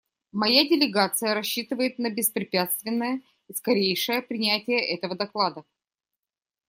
Моя делегация рассчитывает на беспрепятственное и скорейшее принятие этого доклада.